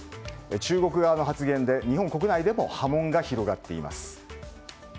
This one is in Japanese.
中国側の発言で日本国内でも波紋が広がっています。